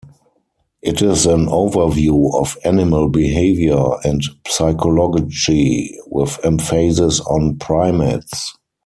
It is an overview of animal behavior and psychology, with emphasis on primates.